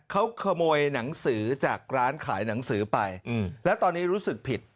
เขาขโมยหนังสือจากร้านขายหนังสือไปแล้วตอนนี้รู้สึกผิด